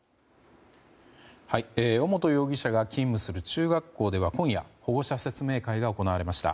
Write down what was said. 尾本容疑者が勤務する中学校では今夜、保護者説明会が行われました。